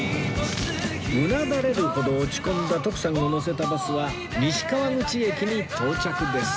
うなだれるほど落ち込んだ徳さんを乗せたバスは西川口駅に到着です